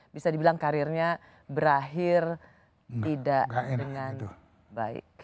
bisa dibilang karirnya berakhir tidak dengan baik